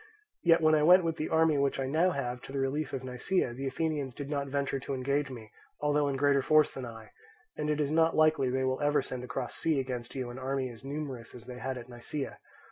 Yet when I went with the army which I now have to the relief of Nisaea, the Athenians did not venture to engage me although in greater force than I; and it is not likely they will ever send across sea against you an army as numerous as they had at Nisaea.